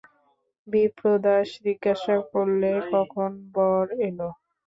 বিপ্রদাস জিজ্ঞাসা করলে, কখন বর এল?